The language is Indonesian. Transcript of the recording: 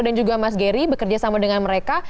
dan juga mas gary bekerja sama dengan mereka